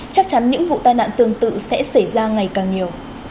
chắc chắn những vụ tai nạn tương tự sẽ xảy ra ngày càng nhiều